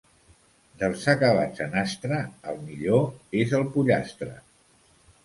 Dels acabats en «-astre» el millor és el pollastre.